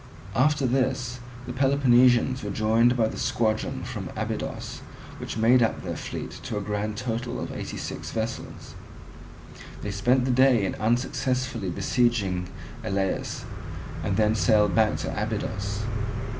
After this the Peloponnesians were joined by the squadron from Abydos, which made up their fleet to a grand total of eighty six vessels; they spent the day in unsuccessfully besieging Elaeus, and then sailed back to Abydos.